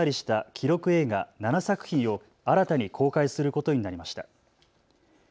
記録映画７作品を新たに公開することになりました。